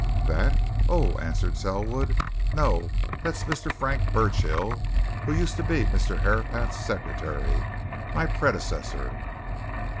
"That? Oh!" answered Selwood. "No that's Mr. Frank Burchill, who used to be Mr. Herapath's secretary my predecessor."